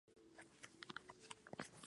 No hay torres ni transepto.